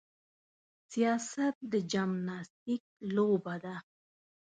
سیاست د جمناستیک لوبه ده.